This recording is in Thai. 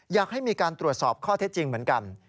อยากให้มีการตรวจสอบข้อเท็จจริงเหมือนกัน